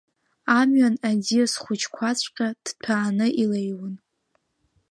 Амҩан аӡиас хәыҷқәаҵәҟьа ҭҭәааны илеиуан.